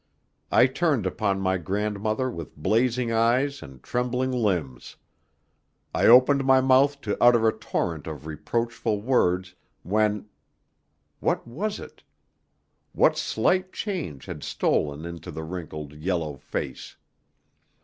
I turned upon my grandmother with blazing eyes and trembling limbs. I opened my mouth to utter a torrent of reproachful words, when what was it? what slight change had stolen into the wrinkled, yellow face?